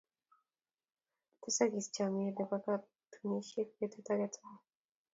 tesakis chamyet Nebo katunisiet betut age tugul